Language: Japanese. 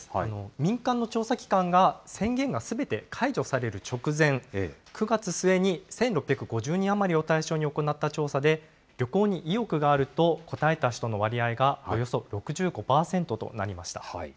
民間の調査機関が、宣言がすべて解除される直前、９月末に１６５０人余りを対象に行った調査で、旅行に意欲があると答えた人の割合がおよそ６５％となりました。